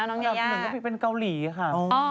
อันดับหนึ่งก็เป็นเกาหลีค่ะ